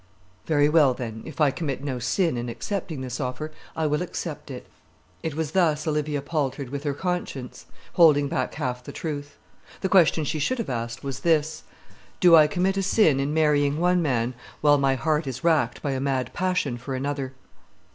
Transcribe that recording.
"Very well, then; if I commit no sin in accepting this offer, I will accept it." It was thus Olivia paltered with her conscience, holding back half the truth. The question she should have asked was this, "Do I commit a sin in marrying one man, while my heart is racked by a mad passion for another?"